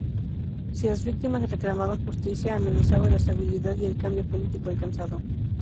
Si las víctimas reclamaban justicia, amenazaban la estabilidad y el cambio político alcanzado.